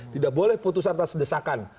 tidak boleh putusan tak sedesakan